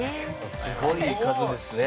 すごい数ですね。